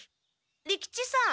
利吉さん